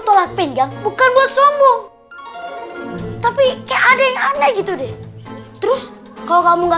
tolak pinggang bukan buat sombong tapi kayak ada yang aneh gitu deh terus kok kamu gak